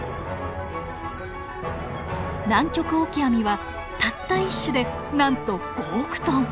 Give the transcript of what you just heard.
ナンキョクオキアミはたった一種でなんと５億トン。